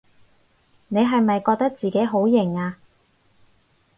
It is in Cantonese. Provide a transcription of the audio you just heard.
你係咪覺得自己好型吖？